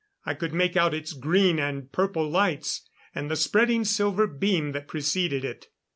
I could make out its green and purple lights, and the spreading silver beam that preceded it.